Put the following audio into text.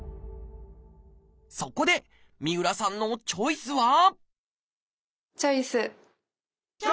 そこで三浦さんのチョイスはチョイス！